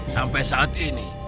sampai saat ini